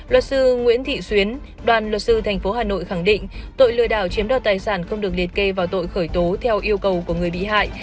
luật sư nguyễn thị xuyến đoàn luật sư tp hà nội khẳng định tội lừa đảo chiếm đoạt tài sản không được liệt kê vào tội khởi tố theo yêu cầu của người bị hại